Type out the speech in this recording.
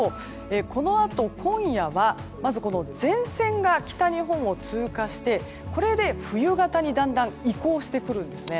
このあと今夜はまず前線が北日本を通過してこれで冬型にだんだん移行してくるんですね。